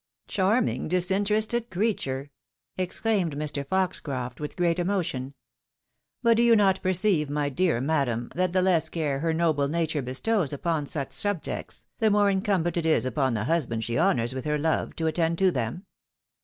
" Charming, disinterested creature !" exclaimed Mr. Fox croft, with great emotion. " But do you not perceive, my dear madam, that the less care her noble nature bestows upon such subjects, the more incumbent it is upon the husband she honours with her love to attend to them